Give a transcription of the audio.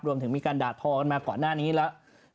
รวมถึงมีการด่าทอกันมาก่อนหน้านี้แล้ว